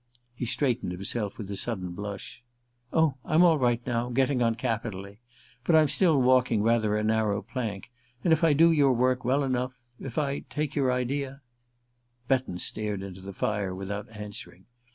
He straightened himself with a sudden blush. "Oh, I'm all right now getting on capitally. But I'm still walking rather a narrow plank; and if I do your work well enough if I take your idea " Betton stared into the fire without answering.